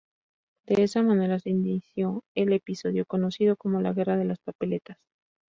De esa manera se inició el episodio conocido como "la guerra de las papeletas".